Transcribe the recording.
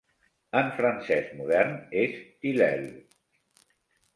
En francès modern és "tilleul".